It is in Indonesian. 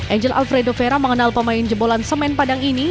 angel alfredo vera mengenal pemain jebolan semen padang ini